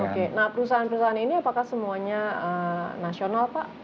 oke nah perusahaan perusahaan ini apakah semuanya nasional pak